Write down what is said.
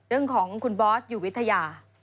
เรื่องของคุณบอสอยู่วิทยา